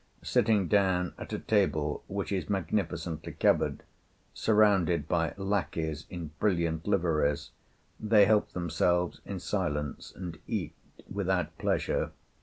Sitting down at a table which is magnificently covered, surrounded by lackeys in brilliant liveries, they help themselves in silence, and eat without pleasure.